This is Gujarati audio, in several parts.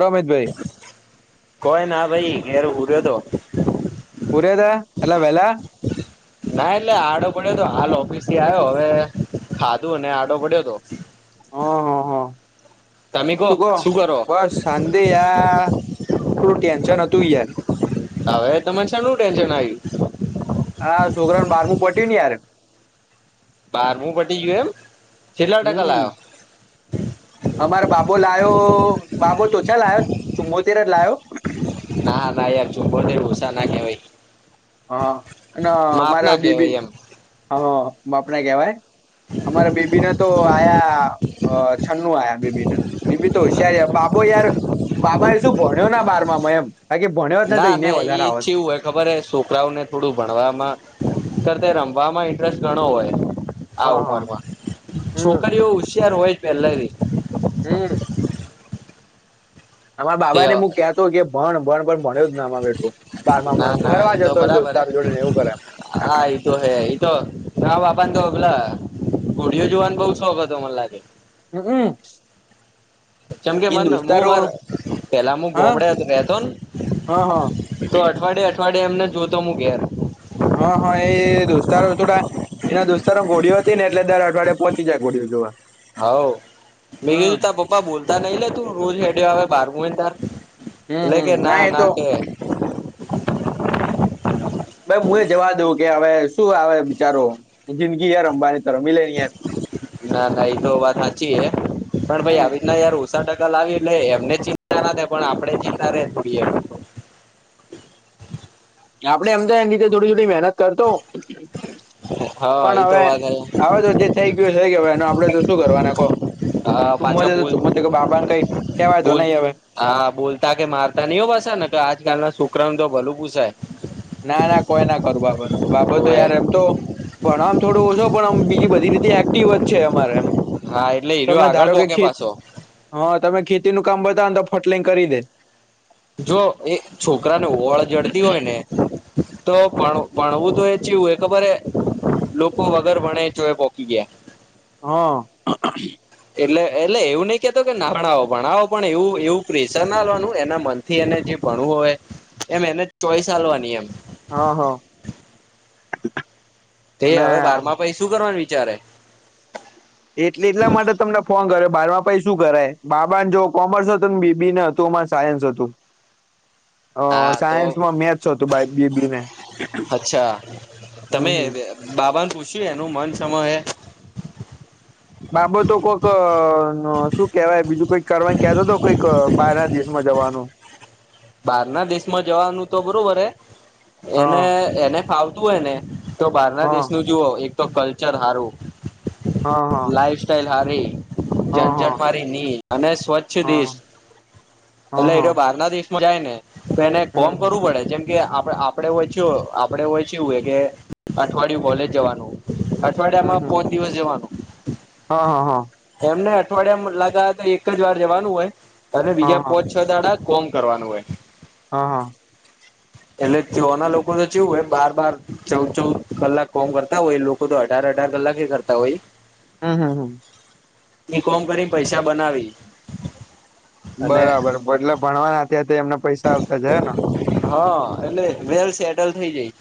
રોમિતભાઈ ભઈ હેર ઉરે તો. પરદે, એલા વેહલા? ના એટલે આડો પડ્યો તો, હાલ ઓફિસ થી આયો, હવે ખાધું અને આડો પડ્યો તો. હ હ હ. તમે કહો શું કોહ? કરો બસ શાંધી યા, થોડું ટેન્શન હતું યાર. હવે તમેન શેનું ટેન્શન આયુ? હા સોકરાનું બારમું પટ્યું ન યાર. બારમું પટી ગયું એમ? છેટલા ટકા હમ લોયો? બાબુ તો ઓછા લાયો, ચુમ્મોતેર જ લાયો. ના ના યાર, ચુમ્મોતેર ઓસા ના કેવાય. હા, અને મારે બીબી, કહેવાય એમ હા બાપને કહેવાય. અમારા બેબીને તો આયા અ છન્નું આયા બીબી ને તો, બીબી તો હોસિયાર યાર, બાબો યાર બાબા એ સુ, ભણ્યો ના બારમાં માં એમ. બાકી ભણ્યો જ ને તો ના એને ના એ, વધારે આવત છેવું હોય ખબર એ શું છોકરાઓ ને થોડું ભણવામાં કર તે રમવામાં ઇન્ટરેસ્ટ ગણો હોય આ હા હા ઉંમરમાં, હમ છોકરીઓ ઉશિયાર હોય જ પેહલાથી. હમ્મ. અમારા તે બાબાને મુ કેહતો કે, ભણ ભણ પણ એ ભણ્યો [unintelligible] માં બેઠો ના બારમાં, ના એ ભરવા તો જતોર બરાબર હે દોસ્તાર જોડે ને એવું કરે. હા ઈ તો હે, ઈતો મારા બાપાન તો અગલા ઘોડિયો જોવાન બઉ શોખ હતો મને લાગે. હમ્અમ્. છેમ કે મને, મુ મારા, પેલા મું હા ગોમડે જ રહેતોન? હા હા. પાડે એમને જોતો હું ઘેર હ હા એ દોસ્તારો થોડા એના દોસ્તારો બોડિયો તી ને એટલે દર અઠવાડિયે પોહચી જાય બોડિયો જોવા. હાવ મેં હમ તા પપ્પા બોલતા નઈલે તું રોજ હેડે આવે બારમુુંને તાર એ હમ લે કે હમ ના એ તો ના કે ભાઈ હું એ જવા દઉં કે હવે શું આવે બિચારો જિંદગી એ રમવાની ના ના એતો વાત સાચી હે પણ ભાઈ હમ આવી જ ના યાર ઓ છા ટકા લાવીએ એટલે એમને ચિંતા ના થાય પણ આપડે ચિંતા રે થોડી એમ આપડે અમદે એ નીધે થોડી થોડી મહેનત કરતો હા પણ એ તો હવે વાત હે. આવે તો જે થઈ ગયું થઈ ગયુ ને પડે લુ શું કરવાના કો આ પાંછા બોલ કઈ કેવાય તો બોલ નહી હવે હા બોલતા કે મારતા નહી હો બસ ને તો આજકાલના છોકરા તો ભલું પૂસાય ના ના કોઈ ના કરું બાબત બાબત તો યાર હોવે એમ તો પણ આમ થોડો ઓછો પણ આમ બીજી બધી રીતે એક્ટિવ જ છે અમારે એમ. હા એટલે હીરો તમે આગળ ધારો કે પોકે ખેત પાછો હા તમે ખેતી નું કામ બ તાંદ ફટલિંગ કરી દે જો એ છોકરા ને ઓળ જડતી હોય ને તો ભણ ભણવું તો એ ચીવું એ ખબર એ લોકો વગર ભણે ચવે પોકી ગયા. હા એટલે એટલે એવું નઈ કેતો કે ના ભણાવો ભણાવો પણ એવું એવું પ્રેશર ના લવાનું એના મન થી એને જે ભણવું હોય એમ એને ચોઈસ આલવાની એમ હા હા તે અને હવે બારમાં પહી શું કરવાનું વિચારે? એટલે એટલા માટે તમને ફોન કર્યો બાર માં પહી શું કરાય બાબાને જો કોમર્સ હતું બી બી ને હતુંમાં સાયન્સ હતું. અ હા તો સાયન્સમાં મેથ્સ હતું બાય બી બી ને હમ હમ બાબા ને પૂછ્યું એનું મન સમ હે બાબતો કક શું કેવાય બીજું કઈક કરવા ક્યારે તો કઈક બાર દેશમાં જવા હ બાર ના દેશમાં જવાનું તો બરોબર હે એને હા એને ફાવ તુ હોય ને તો બારના હા દેશનું જુઓ એક તો કલ્ચર હારુ હા હા ઘારે હા હા ઝંઝટ મારી ની અને સ્વચ્છ હા દેશ હા એટલે હા એ બાર ના દેશ જાયને તો એને હમ કોમ હમ કરવું પડે જેમ કે આપ આપડે જો આપ પડે હોય કે અઠવાડિયું કોલેજ જવાનું હમ અઠવાડિયામાં કોક હમ દિવસ જવાનું હા હા હા તમને અઠવાડિયામાં લાગા તો એક જ વાર જવાનું હોય અને હા બીજા હા પોચ છ દાડા કોમ કરવાનું હોય. હા હા એટલે તોના લોકો ને કેવું હોય બાર બાર ચૌ ચૌ કલાક કોમ કરતા હોય એ લોકો તો અઢાર અઢાર કલાકે કરતા હોય. હમ હમ હમ ને કોમ કરી પૈસા બનાવી અને બરાબર બદલે ભણવાના અત્યાં તેમને પૈસા આવતા જાય ને હા એટલે વેલ સેટલ થઈ જાય.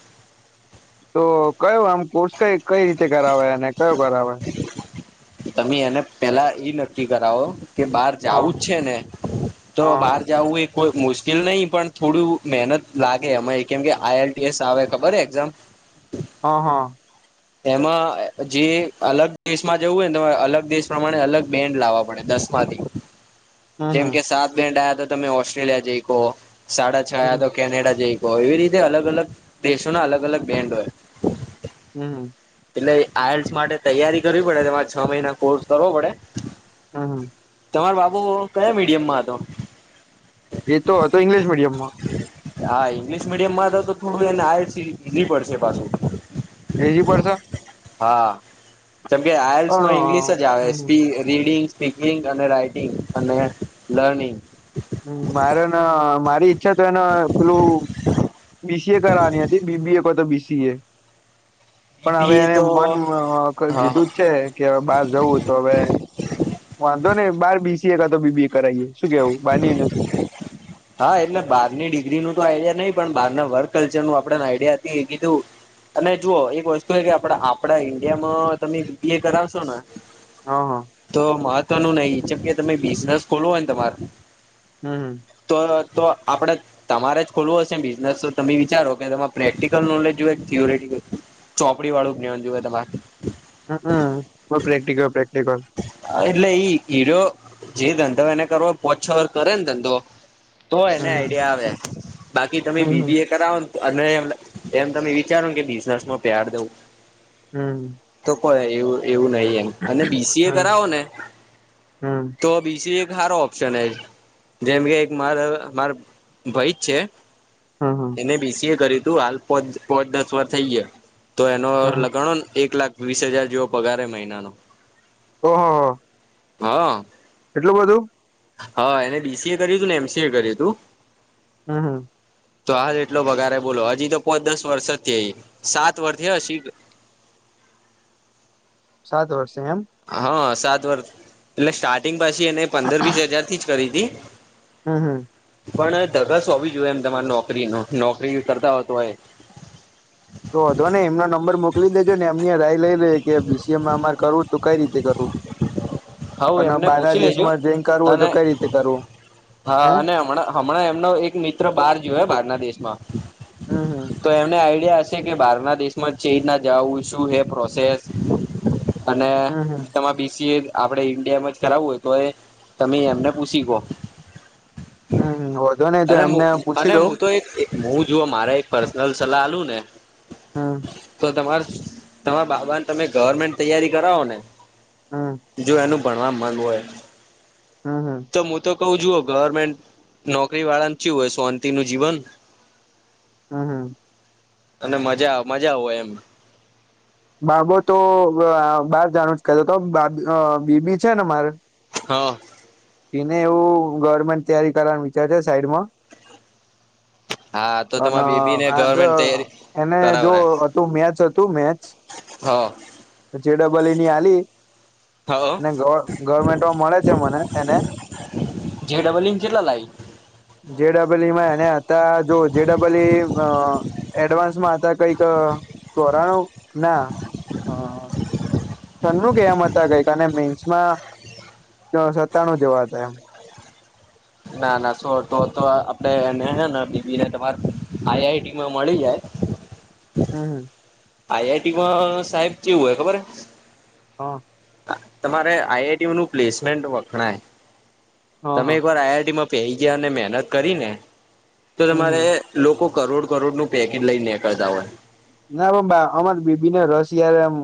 તો કયો આમ કોર્સ કઈ કઈ રીતે કરાવે અને કયો કરાવે તમે એને પેલા એઈ નક્કી કરાવો કે બહાર હા જવું જ છે ને તો હા બહાર જવું એક કોઈ મુશ્કેલ નહી પણ થોડું મહેનત લાગે અમા કેમ કે આઈ આલટીએસ આવે ખબર એક્ઝામ હા હા એમાં જે અલગ દેશમાં જવું હોય ને તો અલગ દેશ પ્રમાણે અલગ બેન્ડ લાવવા પડે દશમાથી હમ જેમ હમ કે સાત બેન્ટ આયા તો તમે ઓસ્ટ્રેલિયા જઈ કો સાડા છ આયા તો હમ કેનેડા જઈ એવી રીતે અલગ અલગ દેશોના અલગ અલગ બેન્ડ હોય હમ એટલે આયલ્સ માટે તૈયારી કરવી પડે તેમાં છ મહિના કોર્સ કરવો પડે હા હા તમારો બાબુ કયા મીડિયમમાં હતો એ તો હતો ઈંગ્લિશ મીડિયમમાં હા ઇંગ્લિશ મીડિયમમાં તો તો થોડું એને આયલસી ઈઝી પડશે પાછું લેઝી પડશે હા કેમકે પણ અ, આયલ્સમાં ઇંગ્લિશ જ આવે હમ સ્પી રીડિંગ સ્પીકિંગ અને રાઈટિંગ અને લર્નિંગ હ મારેને મારી ઈચ્છા તો એને પેલું બીસીએ કરવાની હતી બીબીએ કો તો બીસીએ પણ એ હવે બી એ એને તો મન કર હા હા દીધું જ છે કે બહાર જવું તો હવે વાંધો ને બાર બીસીએ કાતો બીબી એ કરાવએ શું કેવું બાર યુનિવર્સિટી હા એટલે બારની ડિગ્રી નું તો આઈડિયા નહીિ પણ બાર ના વર્ક કલ્ચરનું આપડે આઈડિયા હતી એ કીધું અને જુઓ એક વસ્તુ એ કે આપડા આપડા ઈન્ડિયામાં તમે બી એ કરાવશો ને હા હા તો મહત્વનું નહી જેમ કે તમે બિઝનેસ ખોલ હોયને તમાર હમ હમ તો તો આપણે તમારે જ ખોલવું હશે બિઝનેસ તો તમે વિચારો કે તમામે પ્રેક્ટિકલ નોલેજ જોયે થીયુરિટીકલ ચોપડી વાળું જ્ઞાન જોયે તમારે હ પણ પ્રેકટીકલ પ્રેક્ટીકલ એટલે ઈ હીરો જે ધંધો એને કરોવો પોછોર કરે ને ધંધો તો એને હમ આઈડિયા આવે બાકી તમે હમ હમ બીબી એ કરાવો ને અને એમ તમે વિચારો કે બિઝનેસમાં પ્યાર દવું હમ તો એવું એવું નહી એમ અને બીસીએ હમ કરાવો ને હમ તો બીસીએ સારો ઓપ્શન એજ જેમ કે એક મારે માર ભાઈ જ છે, હમ એને બીસી એ કર્યું તું હાલ પો પોચ દસ વાર થઈ ગયા તો એનો હમ લગાણોન એક લાખ વીસ હજાર જેવો પગારે મહિનાનો ઓહોહો હા એટલું બધું હા એને બીસીએ કર્યું હતું ને એમસી એ કર્યું હતું હમ હમ તો હાલ એટલો વધારે બોલો હજી તો પોચ દસ વર્ષ થઈ સાત વર્ષથી હશી સાત વર્ષ હા સાત વર્ષ એટલે સ્ટાર્ટિંગ પછી એને પંદર વીસ હજારથી જ કરી હતી હમ હમ પણ ધગસ હોવી જોયે એમ તમારે નોકરી નો નોકરી કરતા હો તોએ તો હતો ને એમનો નંબર મોકલી દેજો ને એમની રાય લઈ લે કે બીસીએમા અમાર કરવું તો કઈ રીતે કરવું હા હુ અને એમને બહારના પૂછી લેજો દેશમાં જઈને કરવું હોય તો અને કઈ રીતે કરવું હા હે અને હમણાં હમણાં એમનો એક મિત્ર બાર જોયો બહારના દેશમાં હમ હમ તો એમને આઈડિયા કે બહાર ના દેશ માં ચે ના જું શું હ પ્રોસેસ અને હમ હમ તમા બીસીએ આપડણે ઈન્ડિયામાં જ કરાવું હોય તો એ તમે એમને પૂછી કહ હમ હમ નહી તો અને એમને પૂછી અને દઉં હું તો એક હું જોુ મારે એક પર્સનલ સલાહ આલું ને હા તમા તમા બાબાને તમે ગવર્મેન્ટ તૈયારી કરાવો ને હમ જો એનું ભણવા ગ હોય હમ હા કું જુઓ ગવર્મેન્ટ નોકરી વાળાચું હોય સોંતિ નું જીવન હા હા અને મજા મજા આવ હોય એમ બાબો તો બાર જાણું જ કતો તો બા બીબી છે ને મારે હા એને એવું ગવર્મેન્ટ તૈયારી કરવાનું વિચાર છે સાઈડમાં હા તો અને તમારા બેબી ને આ ગવર્મેન્ટ તૈયારી એને જો કરાવરા હતું મેચ હતું મેચ હા જેડબલ ની આલી અને ગવર્મેન્ટમાં મળે છે મને એને જે ડબલ ઇન કેટલા લાઈ જે ડબલઈમાં અને જો જે ડબલઈ એડવાન્સમાં હતા કઈક પરાણું ના હ છન્નુંું કે એમ હતા કઈકને મેન્સમાં સત્તાણું જેવા હતા એમ ના ના શો તો તો આપડે એનેને બીબીને તમાર આઈ આઈટી માં મળી જાય હમ હમ આઈઆઈટીમાં સાહેબ કેવું હોય ખબર હા તમારે આઈઆઈટી નું પ્લેસમેન્ટ વખણાય હા તમે હા એક વાર આઈઆઈટીમાં પ ગયા અને મહેનત કરીને તો હમ તમારે હમ લોકો કરોડ કરોડ નું પેકેજ લઈ નીકળતા હોય ના પણ અમાર બીબીને રસ યાર એમ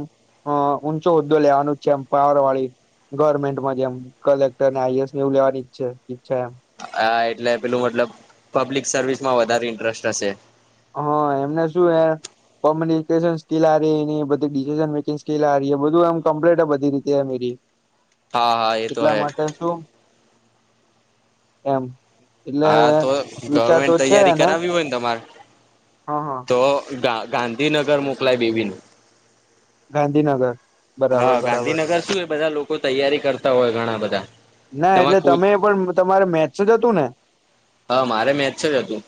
હ ઊંચો હોદ્દો લેવાનું જ છે એમ પાવર વાળી ગવર્મેન્ટમાં જમ કલેક્ટર ને આઈએસ એવું લેનીઈચ્છે ઈચ્છા એમ હા એટલે પેલું મતલબ પબ્લિક સર્વિસ માં વધારે ઇન્ટરેસ્ટ હશે હા એમને શું હાર કોમ્યુનિકેશન સ્કીિલ આ ર એની બધી ડિસિસન મેકિંગ સ્કીિલ આ ર બધું એમ કમ્પ્લીટ બધી રીતેરી હા હા એ તો એટલા હે માટે શું એમ એટલે હા તો વિચાર તો ગવર્મેન્ટ છે તૈયારી કરાવી હોય ને તમારે હા હા તો ગા ગાંધીનગર મોકલાય બેબી ન ગાંધીનગર બરાબર હા બરાબર ગાંધીનગર શું એ બધા લોકો તૈયારી કરતા હોય ઘણા બધા ના એટલે તમારે કોચ તમે પણ તમારે મેચ જ હતું ને હા મારે મેથ્સ જ હતું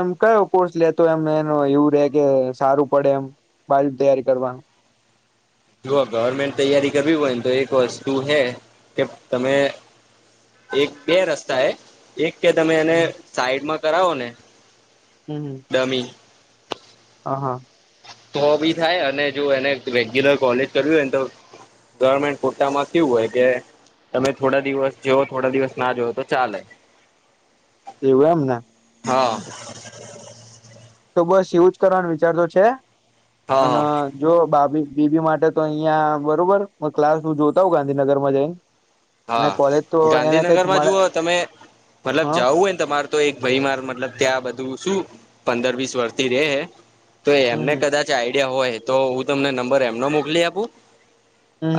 એમ કયો કોર્સ લેતો એમને એવું રે કે સારું પડે એમ બાલ તૈયારી કરવાનું જો ગવર્મેન્ટ તૈયારી કરવી હોય ને તો એક વસ્તુ હે કે તમે એક બે રસ્તા એ એક કે તમે એને સાઈડમાં કરાવો ને ડમી હ હા હો બી થાય અને જો એને રેગ્યુલર કોલેજ કર્યું હોયને તો ગવર્મેન્ટ ખોટામાં કેવું હોય કે તમે થોડા દિવસ જોવ થોડા દિવસ ના જોઓ તો ચાલે. એવું એમને. [inaudible] તો બસ એવું જ કરવાનું વિચારતો છે હા અને જો ભાભી બીબી માટે તો અહિયાં બરોબર ક્લાસ હું જોતા હોઉ ગાંધીનગરમાં જઈને અને હા કોલેજ તો એને કઈક ગાંધીનગરમાં મળે જુઓ તમે મતલબ હા જાવું હોયને તમારે તો એક ભાઈ માર મતલબ ત્યાં બધું શું પંદર વીસ વર્ષથી રે હે. તો એમને હમ કદાચ આઈડિયા હોય તો હું તમને નંબર એમનો મોકલી આપું.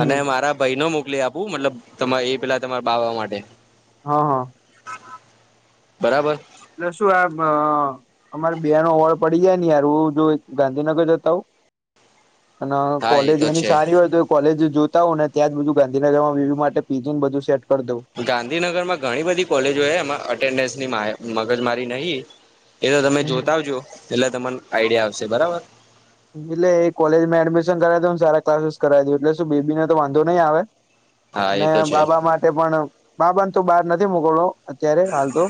અને મારા ભાઈ ન મોકલી આપું મતલબ તમા એ પેલા તમારા બાબા માટે હા હા. બરાબર. એટલે શું આ અમારે બિહારમાં ઓડ પડી જાય ને યાર હું જો ગાંધીનગર જતા હો અને હા એ કોલેજ તો એની છે સારી હોય તો કોલેજ જો ત્યાં જ બજું ગાંધીનગરમાં વી માટે પીન બધું સે ગાંધીનગરમાં ઘણી બધી કોલેજો એમાં અટેન્ડન્સની મગજ મારી નહી. એ તો તમે હમ જોતા હમ. આવજો એટલે તર આઈડિયા આવશે બરાબર. એટલે એ કોલેજમાં એડમિશન કરાવ તો સારા ક્લાસીસ કરાવી દું એટલે શું બેીબી ને તો વાંધો નહી આવે. હા એ અને તો છે બાબા માટે પણ બાબાને તો બહાર નથી મોકલલો. અત્યારે હાલ તો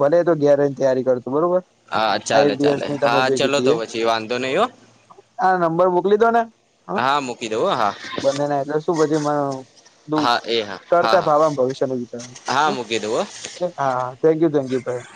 ભલે તો ગેરની તૈયારી કરતો. બરોબર હા ચાલે આઈડીએસ ચાલે ની તમે હા જે ચલો કીધી તો એ પછી વાંધો નહી હો આ નંબર મોકલી દો ને હ હા મૂકી દઉં હા બને નાટલે શું પછી મ દ હા એ હા હા કરતા હા ભવામાં ભવિષ્યને વિચારવાનું હા મૂકી દઉં હા થેન્ક યુ થેન્ક યુ ભાઈ.